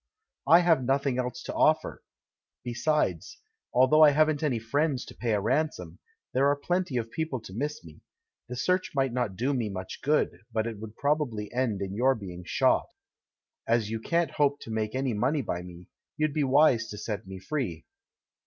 "I have nothing else to offer. Besides, al though I haven't any friends to pay a ransom, there are plenty of people to miss me ; the search might not do me much good, but it would prob ably end in your being shot. As you can't hope to make any money by me, you'd be wise to set me free."